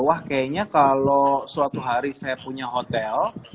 wah kayaknya kalau suatu hari saya punya hotel